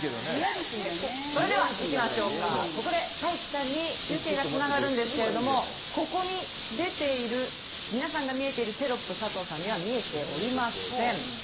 ここで大樹さんに中継がつながるんですけどここに出ている皆さんが見れているテロップ佐藤さんには見ていません。